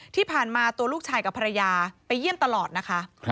ที่ผ่านมาตัวลูกชายกับภรรยาไปเยี่ยมตลอดนะคะ